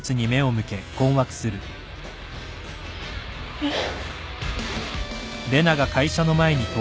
・えっ？